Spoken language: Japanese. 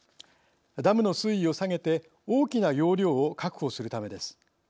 ダムの水位を下げて大きな容量を確保するためです。